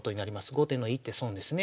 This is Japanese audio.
後手の１手損ですね。